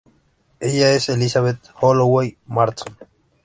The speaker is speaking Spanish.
Ella es Elizabeth Holloway Marston.